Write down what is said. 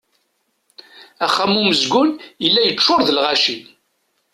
Axxam umezgun yella yeččur d lɣaci.